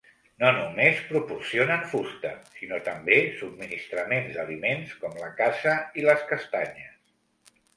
No només proporcionen fusta, sinó també subministraments d'aliments, com la caça i les castanyes.